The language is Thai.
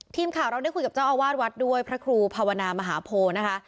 ทีมข่าวเราได้คุยกับเจ้าอาวาสวัดด้วยพระครูภาวนามหาโพนะคะ